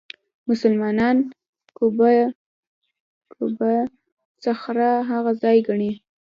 مسلمانان قبه الصخره هغه ځای ګڼي.